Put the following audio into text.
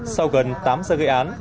sau gần tám giờ gây án